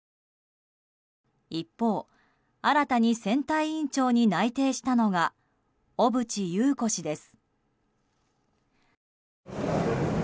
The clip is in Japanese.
一方、新たに選対委員長に内定したのが小渕優子氏です。